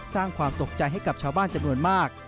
สร้างความตกใจให้กับชาวบ้านจำนวนมาก